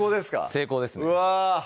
成功ですねうわ